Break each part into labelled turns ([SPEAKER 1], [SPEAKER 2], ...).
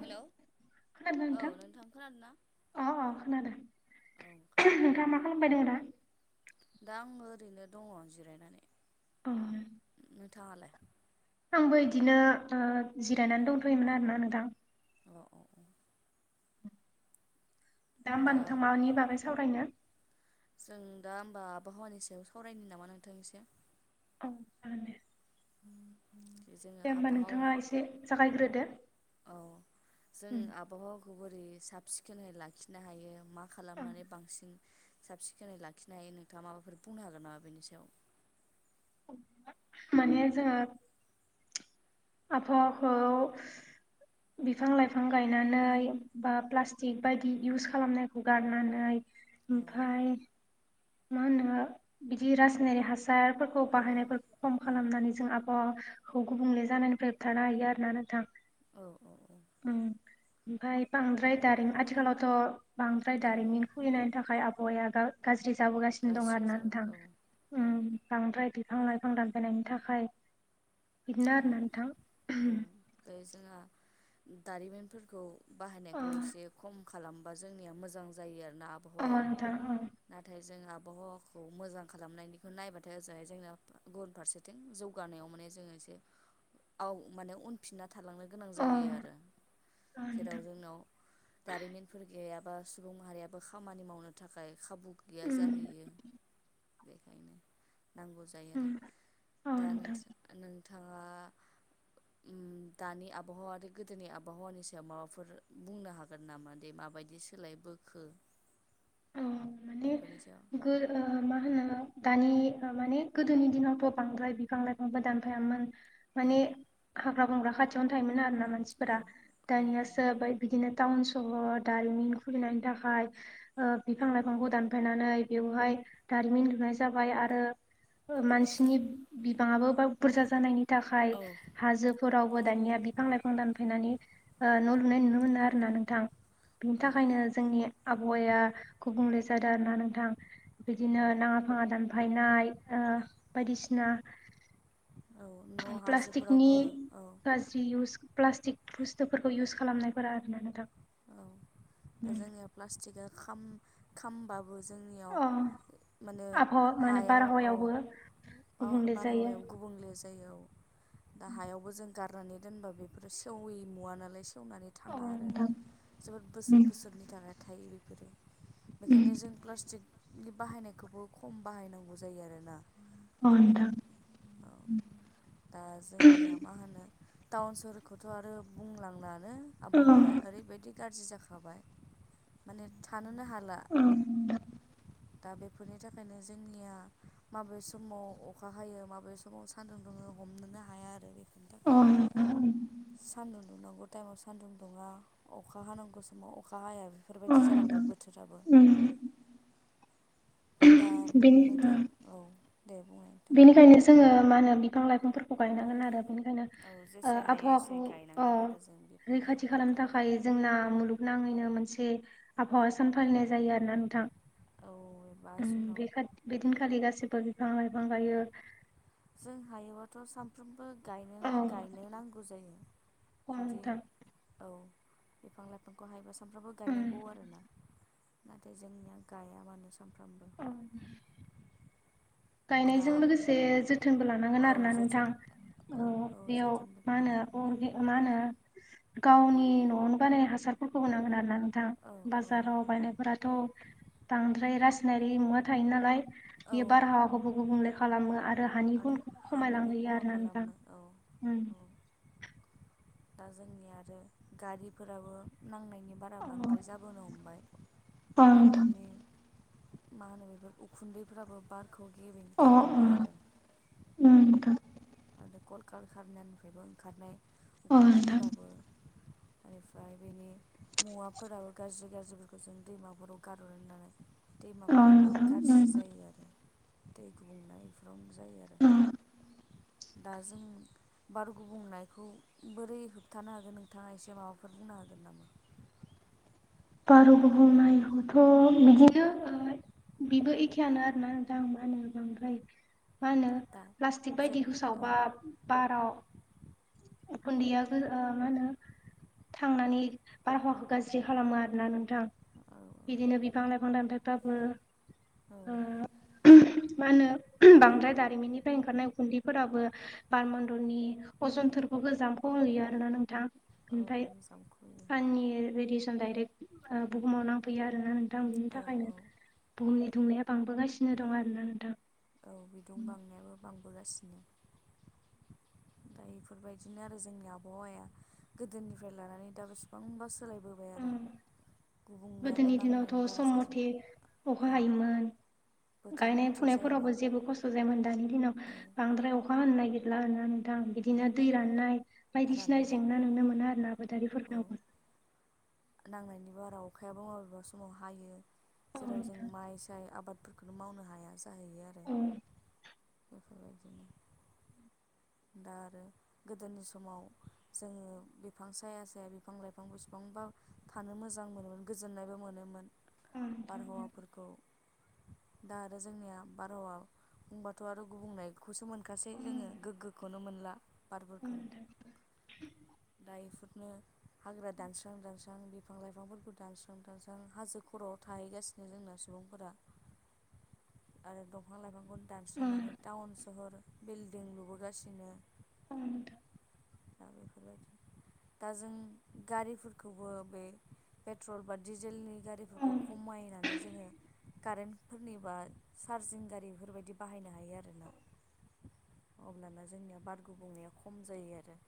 [SPEAKER 1] Hello.
[SPEAKER 2] खोनादों
[SPEAKER 1] औ
[SPEAKER 2] नोंथां
[SPEAKER 1] खोनादों ना
[SPEAKER 2] अ अ
[SPEAKER 1] औ
[SPEAKER 2] खादों।
[SPEAKER 1] खोनादों
[SPEAKER 2] नोंथाङा मा खालामबाय दं दा।
[SPEAKER 1] दा आङो ओरैनो दङ जिरायनानै।
[SPEAKER 2] अ
[SPEAKER 1] नोंथाङा लाय।
[SPEAKER 2] आंबो बिदिनो ओ जिरायनानै दंथ'योमोन आरोना नोंथां।
[SPEAKER 1] अ अ औ।
[SPEAKER 2] दा होमबा नोंथां मानि बागै सावरायनो।
[SPEAKER 1] जों दा होमबा आबहावानि सायाव सावरायनो नामा नोंथां एसे।
[SPEAKER 2] औ जागोन दे।
[SPEAKER 1] जोङो
[SPEAKER 2] दे होमबा
[SPEAKER 1] आबहावा
[SPEAKER 2] नोंथाङा एसे जागायग्रो
[SPEAKER 1] औ जों आबहावाखौ बोरै। साब सिखोनै लाखिनो हायो मा खालामनानै बांसिन। साब सिखोनै लाखिनो हायो नोंथाङा माबाफोर बुंनो हागोन नामा बेनि सायाव।
[SPEAKER 2] माने जोंङो आबहावाखौ बिफां लाइफां गायनानै बा प्लाष्टिक बायदि इउस खालामनायखौ गारनानै।
[SPEAKER 1] औ
[SPEAKER 2] ओमफ्राय मा होनो बिदि रासायनारिक हासार फोर। खौ
[SPEAKER 1] होमबा
[SPEAKER 2] बाहायनायफोर खम
[SPEAKER 1] औ
[SPEAKER 2] खालामनानै जों आबहावाखौ गुबुंले जानायनिफ्राय होबथानो हायो आरो ना नोंथां।
[SPEAKER 1] औ औ औ।
[SPEAKER 2] उम ओमफ्राय बांद्राय दारिमिन आथिखालावथ' बांद्राय
[SPEAKER 1] औ
[SPEAKER 2] दारिमिन खुलिनायनि थाखाय आब आबहवाया गाज्रि जाबोगासिनो दं
[SPEAKER 1] गाज्रि
[SPEAKER 2] आरो ना
[SPEAKER 1] जागोन
[SPEAKER 2] नोंथां
[SPEAKER 1] औ औ
[SPEAKER 2] उम बांद्राय बिफां लायफां दानफायनायनि थाखाय। बिदिनो
[SPEAKER 1] दा
[SPEAKER 2] आरोना नोंथां
[SPEAKER 1] औ बे जोंहा दारिमिनफोरखौ
[SPEAKER 2] अ
[SPEAKER 1] बाहायनायखौ एसे खम खालामबा जोंनिया मोजां जायो आरो।
[SPEAKER 2] अ
[SPEAKER 1] आबहावाया
[SPEAKER 2] नोंथां अ
[SPEAKER 1] नाथाय जों आबहावाखौ मोजां खालामनायनिखौ नायबाथाय ओजोंहाय जोंना गुबुन फारसेथिं जौगानायाव माने जोङो एसे औ माने उनफिनना थालांनो गोनां
[SPEAKER 2] अ
[SPEAKER 1] जायो आरो
[SPEAKER 2] अ
[SPEAKER 1] जेराव
[SPEAKER 2] नोंथां
[SPEAKER 1] जोंनाव दारिमिनफोर गैया। बा सुबुं माहारियाबो खामानि मावनो थाखाय खाबु गैया
[SPEAKER 2] उम
[SPEAKER 1] जाहैयो। बेखायनो नांगौ जायो
[SPEAKER 2] उम
[SPEAKER 1] आरो
[SPEAKER 2] अ
[SPEAKER 1] दा
[SPEAKER 2] नोंथां
[SPEAKER 1] नोंसोर नों
[SPEAKER 2] [inaudible]
[SPEAKER 1] दानि आबहावा आरो गोदोनि आबहावानि सायाव माबाफोर बुंनो हागोन नामा दे माबायदि सोलायबोखो? बोखो।
[SPEAKER 2] अ माने गो मा होनो। दानि माने गोदोनि दिनावथ' बांद्राय बिफां लाइफांफोर दानफायामोन
[SPEAKER 1] औ
[SPEAKER 2] माने हाग्रा बंग्रा खाथियावनो थायोमोन आरो ना। मानसिफोरा
[SPEAKER 1] औ
[SPEAKER 2] दानिया सोबाय बिदिनो टाउन सहर दारिमिन खुलिनायनि थाखाय बिफां लाइफांखौ दानफायनानै बेवहाय दारिमिन लुनाय जाबाय आरो मानसिनि बिबाङाबो बुरजा जानायनि थाखाय
[SPEAKER 1] औ
[SPEAKER 2] हाजोफोराव दानिया बिफां लाइफां दानफायनानै न लुनाय नुनो मोनो आरो ना नोंथां। बिनि
[SPEAKER 1] औ
[SPEAKER 2] थाखायनो जोंनि आबहावाया गुबुंले जादों आरो ना नोंथां।
[SPEAKER 1] औ
[SPEAKER 2] बिदिनो नाङा फाङा दानफायनाय ओ बायदि सिना
[SPEAKER 1] औ न'
[SPEAKER 2] प्लास्टिकनि
[SPEAKER 1] हाजोफोरावबो औ
[SPEAKER 2] गाज्रि इउस प्लास्टिक बुस्थुफोरखौ इउस खालामनायफोरा आरोना ना नोंथां।
[SPEAKER 1] औ दा जोंनिया प्लास्टिकआ खामानियाव खामबाबो जोंनियाव
[SPEAKER 2] अ
[SPEAKER 1] माने
[SPEAKER 2] आबहावा माने
[SPEAKER 1] हायाव औ
[SPEAKER 2] बारहावायावबो गुबुंले जायो
[SPEAKER 1] बारहावायाव गुबुंले जा दा हायावबो जों गारनानै दोनबा बेफोरो सेवैमुवा नालाय सेवनानै
[SPEAKER 2] अ
[SPEAKER 1] थाङा आरो।
[SPEAKER 2] नोंथां
[SPEAKER 1] जोबोद बोसोर
[SPEAKER 2] उम
[SPEAKER 1] बोसोरनि थाखाय थायो बेफोरो
[SPEAKER 2] उम
[SPEAKER 1] बेखायनो जों प्लास्टिक बाहायनायखौबो खम बाहायनांगौ जायो आरोना।
[SPEAKER 2] अ नोंथां
[SPEAKER 1] औ दा जोंनिया मा होनो? टाउन सहरखौथ आरो बुंनांलानो
[SPEAKER 2] अ
[SPEAKER 1] आबहावाया ओरै गाज्रि जाखाबाय माने थानोनो हाला।
[SPEAKER 2] नोंथां
[SPEAKER 1] दा बेफोरनि थाखायनो जोंनिया माबे समाव अखा हायो माबे समाव सान्दुं दुङो हमनोनो हाया आरो बेफोरनि
[SPEAKER 2] ओम
[SPEAKER 1] सान्दुंनांगौ टाइमाव सान्दुं दुंङा अखा हानांगौ समाव अखा हाया।
[SPEAKER 2] अ
[SPEAKER 1] बेफोरबायदि
[SPEAKER 2] नोंथां
[SPEAKER 1] जालांबाय बोथोराबो।
[SPEAKER 2] उम
[SPEAKER 1] दा
[SPEAKER 2] बेनि ओ
[SPEAKER 1] नोंथां औ दे बुं
[SPEAKER 2] बेनिखायनो जोङो मा होनो बिफां लाइफांफोरखौ गायनांगोन आरो। बेनिखायनो
[SPEAKER 1] औ जेसे हायो एसे
[SPEAKER 2] आबहावाखौ ओ
[SPEAKER 1] गायनांगोन आरो जों बिफां
[SPEAKER 2] रैखाथि खालामनो
[SPEAKER 1] लाइफांफोरखौ
[SPEAKER 2] थाखाय जोंना मुलुगनाङैनो मोनसे आबहावा सान फालिनाय जायो आरो ना नोंथां
[SPEAKER 1] औ एबा जुनाव
[SPEAKER 2] बे बेदिनखालि गासिबो बिफां लाइफां गाइयो।
[SPEAKER 1] जों हायोबो सानफ्रोमबो
[SPEAKER 2] औ
[SPEAKER 1] गायनो नांगौ जायो
[SPEAKER 2] औ
[SPEAKER 1] जुदि
[SPEAKER 2] नोंथां
[SPEAKER 1] औ बिफां लाइफांखौ हायोबा सानफ्रामबो
[SPEAKER 2] उम
[SPEAKER 1] गायनांगौ आरोना। नाथाय जोंनिया गाया मानो सानफ्रामबो
[SPEAKER 2] औ।
[SPEAKER 1] दा
[SPEAKER 2] गायनायजों
[SPEAKER 1] आब'
[SPEAKER 2] लोगोसे जोथोनबो लानांगोन
[SPEAKER 1] औ
[SPEAKER 2] आरोना नोंथां।
[SPEAKER 1] जोथोन
[SPEAKER 2] औ बेयाव मा होनो मा होनो गावनि न आवनो बानायनाय हासार होनांगोन आरो ना नोंथां
[SPEAKER 1] औ औ
[SPEAKER 2] बाजाराव बायनायफोराथ बांद्राय रा नारि मुवा थायो नालाय
[SPEAKER 1] औ
[SPEAKER 2] बियो बारहावाखौबो गुबुंले खालामो आरो हानि
[SPEAKER 1] आरो
[SPEAKER 2] गुनखौबो
[SPEAKER 1] हानिबो
[SPEAKER 2] खमायलांहोयो
[SPEAKER 1] खहा
[SPEAKER 2] आरोना नोंथां
[SPEAKER 1] खालामो औ
[SPEAKER 2] उम
[SPEAKER 1] औ दा जोंनि आरो गारिफोराबो नांनाय नि बारा बांद्राय
[SPEAKER 2] अ
[SPEAKER 1] जाबोनो हमबाय
[SPEAKER 2] नोंथां
[SPEAKER 1] बेफोरनि मा होनो बेफोर उखुन्दैफ्राबो बारखौ गेबिं खालामो आरो
[SPEAKER 2] ओम नोंथां
[SPEAKER 1] कल खारनानिफ्रायबो ओंखारनाय
[SPEAKER 2] अ नोंथां
[SPEAKER 1] उखुन्दैफोराबो बेनिफ्राय बेनि मुवाफोराबो गाज्रि गाज्रिफोरखौ जों दैमाफोराव गारहरो नालाय
[SPEAKER 2] अ
[SPEAKER 1] दैमाफोराबो
[SPEAKER 2] नोंथां
[SPEAKER 1] गाज्रि जायो आरो दै गुबुंनाय बेफोरावनो जायो आरो
[SPEAKER 2] उम अ
[SPEAKER 1] दा जों बार गुबुंनायखौ बोरै होबथानो हागोन नोंथाङा एसे माबाफोर बुंनो हागोन नामा
[SPEAKER 2] बार गुबुंनायखौथ' बिदिनो ओ बेबो एखेयानो आरोना नोंथां मा होनोमोन बांद्राय मा होनो
[SPEAKER 1] दा
[SPEAKER 2] प्लास्टिक
[SPEAKER 1] जों
[SPEAKER 2] बायदिखौ सावबा बाराव उखनदिया गो ओ मा होनो थांनानै बारहावाखौ गाज्रि खालामो आर रोना नोंथां बिदिनो बिफां लाइफां दानफायबाबो
[SPEAKER 1] औ।
[SPEAKER 2] ओ मा होनो बांद्राय दारिमिननिफ्राय ओंखारनाय उखुन्दैफोराबो बारमन्द'नि अजनथोरफ गोजामख' हैयो आरोना नोंथां।
[SPEAKER 1] औ औ
[SPEAKER 2] ओमफाय
[SPEAKER 1] जामखुयो
[SPEAKER 2] साननि रे-रेडियसन डायरेक्ट ओ बुहुमाव नांफैयो आरोना नों थां बिनि
[SPEAKER 1] औ
[SPEAKER 2] थाखायनो
[SPEAKER 1] औ
[SPEAKER 2] बुहुमनि दुंनाया बांबोगासिनो दं आरोना नोंथां।
[SPEAKER 1] औ बिदुं बांनायाबो बांबोगासिनो। दा इफोरबायदिनो आरो जोंनि आबहावाया गोदोनिफ्राय लानानै दा बेसेबांबा सोलायबोबाय आरो
[SPEAKER 2] उम।
[SPEAKER 1] गुबुंनायाबो
[SPEAKER 2] गोदोनि
[SPEAKER 1] नांनायनि
[SPEAKER 2] दिनावथ'
[SPEAKER 1] बारा
[SPEAKER 2] सम
[SPEAKER 1] जाजोब्बाय
[SPEAKER 2] मथे अखा
[SPEAKER 1] औ
[SPEAKER 2] हायोमोन
[SPEAKER 1] बोथोर
[SPEAKER 2] गायनाय
[SPEAKER 1] मथे
[SPEAKER 2] फुनायफोरावबो
[SPEAKER 1] जायोमोन
[SPEAKER 2] जेबो खस्थ' जायामोन दानि दिनाव
[SPEAKER 1] औ
[SPEAKER 2] बांद्राय अखा हानो नागिरला आरोना नों थां
[SPEAKER 1] औ
[SPEAKER 2] बिदिनो दै राननाय बायदिसिना
[SPEAKER 1] राननाय
[SPEAKER 2] जेंना नुनो मोना आरोना आबादारिफोर
[SPEAKER 1] औ
[SPEAKER 2] नावबो
[SPEAKER 1] नांनायनि बारा अखायाबो मबेबा समाव हायो
[SPEAKER 2] औ
[SPEAKER 1] जेराव जों
[SPEAKER 2] नोंथां
[SPEAKER 1] माइ साय आबाद फोरखौनो मावनो हाया जाहैयो आरो
[SPEAKER 2] उम।
[SPEAKER 1] बेफोरबायदिनो दा आरो गोदोनि समाव जोङो बिफां साया साया बिफां लाइफां बेसेबां बा थानो मोजां मोनोमोन गोजोननायबो मोनोमोन।
[SPEAKER 2] नोंथां
[SPEAKER 1] बारहावाफोरखौ दा आरो जोंनिया बारहावा बुंबाथ' आरो गुबुंनायखौसो मोनखासै
[SPEAKER 2] औ
[SPEAKER 1] जोङो
[SPEAKER 2] नोंथां
[SPEAKER 1] गोग्गो खौनो मोनला
[SPEAKER 2] औ
[SPEAKER 1] बारफोरखौ दा इफोरनो हाग्रा दानस्रां दानस्रां बि फां लाइफांफोरखौ दानस्रां दानस्रां हाजो खर'आव थाहैगासिनो जोंना सुबुंफोरा। आरो दंफां लाइफां बुहुथ
[SPEAKER 2] औ
[SPEAKER 1] दानस्रांनानै टाउन सहर बिल्डिं लुबोगासिनो।
[SPEAKER 2] उम।
[SPEAKER 1] दा बेफोरबायदि दा जों गारिफोरखौबो बे पेट्रल बा डिजेलनि गारिफोरखौ
[SPEAKER 2] औ
[SPEAKER 1] खमायनानै जोङो कारेन्टफुरनिबा चार्जिं गारि इफोरबायदि बाहायनो हायो आरोना।
[SPEAKER 2] [inaudible]
[SPEAKER 1] अब्लाना जोंनिया बारगुबुंनाया खम जायो आरो।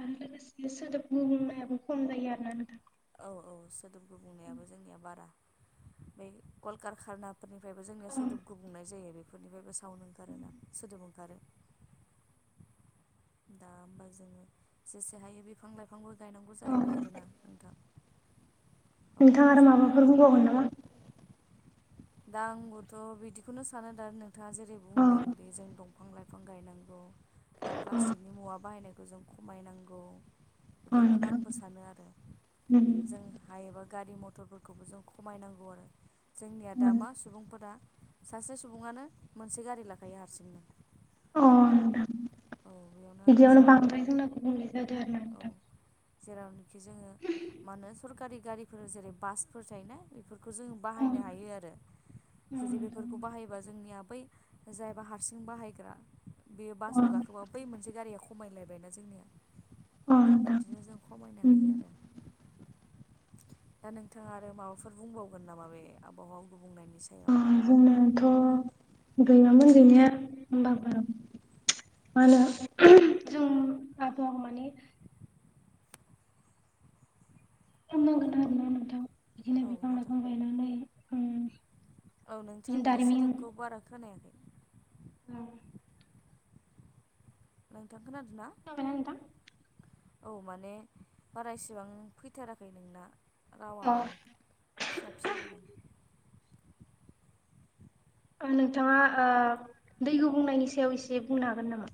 [SPEAKER 2] आरो लोगोसे सोदोब गुबुंनायाबो खम जायो आरोना नोंथां।
[SPEAKER 1] औ औ सोदोब गुबुंनायाबो जोंनिया बारा बे गलकार खानाब फोरनिफ्रायबो जोंनिया
[SPEAKER 2] औ
[SPEAKER 1] सोदोब गुबुंनाय जायो बेफोरनिफायबो साउन्ड ओंखारोना सोदोब ओंखारो। दा होमबा जोङो जेसे हायो बिफां लाइफांबो गायनांगौ
[SPEAKER 2] औ
[SPEAKER 1] जाहैबाय आरोना नोंथां। अब्लाना
[SPEAKER 2] नोंथाङा आर
[SPEAKER 1] जों
[SPEAKER 2] माबाफोर बुंबावगोन नामा?
[SPEAKER 1] दा आंबोथ' बिदिखौनो सानो दा नोंथाङा जेरै
[SPEAKER 2] अ
[SPEAKER 1] बुंदों दि जों दंफां लाइ फां गायनांगौ बा
[SPEAKER 2] अ
[SPEAKER 1] प्लास्टिकनि मुवा बाहायनायखौ जों खमायनांगौ।
[SPEAKER 2] अ
[SPEAKER 1] बेफोरखौनो
[SPEAKER 2] नोंथां
[SPEAKER 1] आंबो सानो आरो
[SPEAKER 2] उम
[SPEAKER 1] जों हायोबा गारि मथरफोरखौबो जों खमायनांगौ आरो जोंनिया दा
[SPEAKER 2] उम
[SPEAKER 1] मा सुबुंफोरा सासे सुबुङानो मोनसे गारि लाखायो हारसिंनो।
[SPEAKER 2] अह नोंथां।
[SPEAKER 1] औ बेयावनो आरो
[SPEAKER 2] बिदियावनो
[SPEAKER 1] जोंनिया
[SPEAKER 2] बांद्राय जोंना गुबुंले जादों आरोना
[SPEAKER 1] औ
[SPEAKER 2] नोंथां।
[SPEAKER 1] जेरावनोखि जोङो मा होनो सरकारि गारिफोर जेरै बासफोर थायोना बेफोरखौ जोङो
[SPEAKER 2] अ
[SPEAKER 1] बाहायनो हायो आरो जुदि
[SPEAKER 2] नोंथां
[SPEAKER 1] बेफोरखौ बाहायोबा जोंनिया बै जायबा हारसिं बाहायग्रा बेयो
[SPEAKER 2] अ
[SPEAKER 1] बासाव गाखोबा बै मोनसे गारिया खमायलायबायना जोंनिया।
[SPEAKER 2] अ नोंथां
[SPEAKER 1] बेफोरबायदिनो जों खमायनो
[SPEAKER 2] उम
[SPEAKER 1] हायो आरो। दा नोंथाङा आरो माबाफोर बुंबावगोन नामा बे आबहावा गुबुंनायनि सायाव
[SPEAKER 2] जोंनाथ' गैयामोन गैनाया होमबाबो मा होनो जों आबहावा माने बुंनांगोन आरोना नोंथां बिदिनो
[SPEAKER 1] औ
[SPEAKER 2] बिफां
[SPEAKER 1] नोंथां
[SPEAKER 2] लाइफां गायनानै उम
[SPEAKER 1] औ
[SPEAKER 2] बिदिनो
[SPEAKER 1] नोंथांनि
[SPEAKER 2] दारिमिन
[SPEAKER 1] सोदोबखौ बारा खोनायाखै।
[SPEAKER 2] औ।
[SPEAKER 1] नोंथां खोनादों ना
[SPEAKER 2] खोनाबायना नोंथां?
[SPEAKER 1] औ माने बारा एसेबां फैथाराखै नोंना। रावा
[SPEAKER 2] अ
[SPEAKER 1] माने फिसा फिसा जादों।
[SPEAKER 2] नोंथाङा ओ दै गुबुंनायनि सायाव एसे बुंनो हागोन नामा?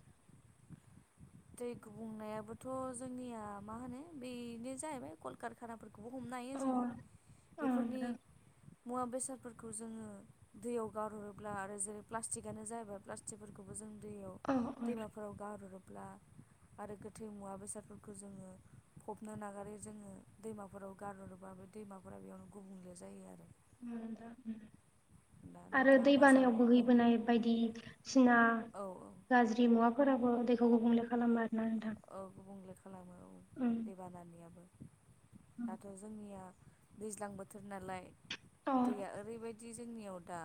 [SPEAKER 1] दै गुबुंनायाबोथ' जोंनिया मा होनो बेनो जाहैबाय कलकारखानाफोर खौबो हमनो हायो
[SPEAKER 2] अ
[SPEAKER 1] जोङो
[SPEAKER 2] अ
[SPEAKER 1] बेफोरनि
[SPEAKER 2] नोंथां
[SPEAKER 1] मुवा बेसादफोरखौ जोङो दैयाव गारहरोब्ला आरो जेरै प्लास्टिकानो जाबाय प्लास्टिकफोरखौबो जों दैयाव
[SPEAKER 2] अ
[SPEAKER 1] दैमाफोराव गारहरोब्ला आरो गोथै मुवा बेसादफोरखौ जोङो फबनो नागारै जोङो दैमाफोराव गारहरोबा दैमाफोरा बेयावनो गुबुंले जायो आरो।
[SPEAKER 2] उम दा उम।
[SPEAKER 1] दा
[SPEAKER 2] आरो
[SPEAKER 1] नोंथाङा मा
[SPEAKER 2] दैबानायाव
[SPEAKER 1] सानो औ
[SPEAKER 2] बोहैबोनाय बायदिसिना
[SPEAKER 1] औ
[SPEAKER 2] गाज्रि मुवाफोराबो दैखौ गुबुंले खालामो आरोना नोंथां।
[SPEAKER 1] औ गुबुंले खालामो औ
[SPEAKER 2] ओं
[SPEAKER 1] देबानानियाबो। दाथ' जोंनिया दैज्लां बोथोर नालाय
[SPEAKER 2] अ
[SPEAKER 1] दैया ओरैबाय दि जोंनियाव दा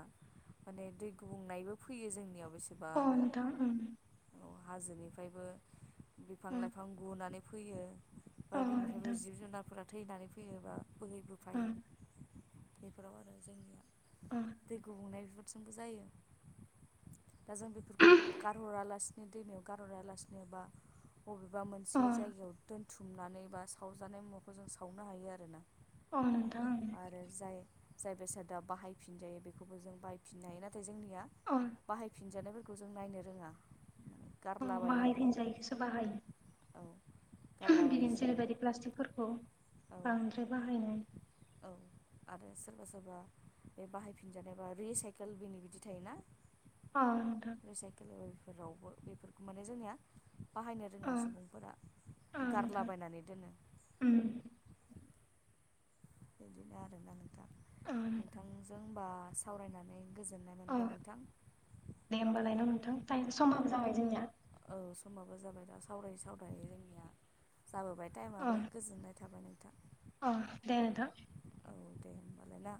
[SPEAKER 1] माने दै गुबुंनायबो फैयो जोंनियाव
[SPEAKER 2] औ
[SPEAKER 1] बेसेबानो
[SPEAKER 2] नोंथां उम।
[SPEAKER 1] औ हाजोनिफ्रायबो बिफां
[SPEAKER 2] ओं
[SPEAKER 1] लाइफां गुनानै फैयो। बा
[SPEAKER 2] अ
[SPEAKER 1] बिनिफ्रायबो
[SPEAKER 2] नोंथां
[SPEAKER 1] जिब जुनारफोरा थैनानै फैयोबा
[SPEAKER 2] ओं
[SPEAKER 1] बोहैबोफायो। बेफोराव आरो जोंनिया
[SPEAKER 2] ओं
[SPEAKER 1] दै गुबुंनाय बेफोरजोंबो जायो। दा जों बेफोरखौ गारहरालासिनो दैमायाव गारहरालासिनो बा बबेबा
[SPEAKER 2] अ
[SPEAKER 1] मोनसे जायगायाव दोनथुमनानै बा सावजानाय मुवाखौ जों सावनो हायो आरोना।
[SPEAKER 2] औ नोंथां उम।
[SPEAKER 1] आरो जाय जाय बेसादा बाहायफिनजायो बेखौबो जों बाहायफिननो हायो नाथाय जोंनिया
[SPEAKER 2] अ
[SPEAKER 1] बाहायफिनजानाय फोर खौ जों नायनो रोङा गारलाबायो।
[SPEAKER 2] सो
[SPEAKER 1] औ
[SPEAKER 2] बाहायो [unintelligible] बिदिनो
[SPEAKER 1] गारलाबायजोबो
[SPEAKER 2] जेरैबायदि प्लास्तिकफोरखौ
[SPEAKER 1] औ
[SPEAKER 2] बांद्राय बाहायनाय
[SPEAKER 1] औ आरो सोरबा सोरबा बे बाहायफिनजानायबा रिसाइकेल बिनि बिदि थायोना
[SPEAKER 2] अ नोंथां
[SPEAKER 1] फोरावबो बेफोरखौ माने जोंनिया बाहायनो
[SPEAKER 2] अ
[SPEAKER 1] रोङा सुबुंफोरा
[SPEAKER 2] अ नोंथां
[SPEAKER 1] गारलाबायनानै दोनो
[SPEAKER 2] उम
[SPEAKER 1] बिदिनो आरोना नोंथां
[SPEAKER 2] अ नोंथां
[SPEAKER 1] नोंथांजों बा सावरायनानै गोजोननाय
[SPEAKER 2] औ
[SPEAKER 1] मोनबाय नोंथां
[SPEAKER 2] दे होमबालाय न' नोंथां टाइम समाबो जाबाय जोंनिया
[SPEAKER 1] औ समाबो जाबाय दा सावरायै सावरायै जोंनिया जाबोबाय
[SPEAKER 2] अ
[SPEAKER 1] टाइमाबो गोजोननाय थाबाय नोंथां
[SPEAKER 2] अ देे नोंथां
[SPEAKER 1] औ दे होमब्लालाय ना